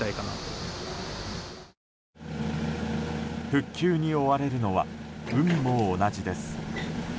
復旧に追われるのは海も同じです。